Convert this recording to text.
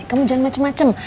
kamu jangan macem macem